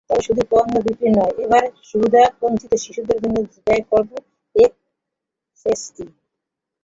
তবে, শুধুই পণ্য বিক্রি নয়, এবার সুবিধাবঞ্চিত শিশুদের জন্য ব্যয় করবে একস্ট্যাসি।